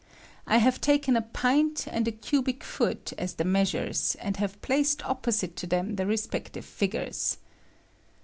I have taken a I pint and a cubic foot as the measures, and have I placed opposite to them the respective figures.